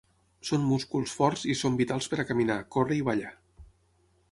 Són músculs forts i són vitals per a caminar, córrer i ballar.